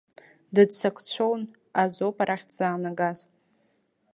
Дыццакцәон азоуп арахь дзаанагаз.